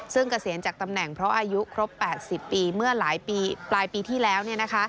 ซึ่งเกษียณจากตำแหน่งเพราะอายุครบ๘๐ปีเมื่อหลายปีที่แล้ว